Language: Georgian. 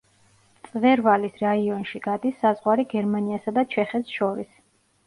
მწვერვალის რაიონში გადის საზღვარი გერმანიასა და ჩეხეთს შორის.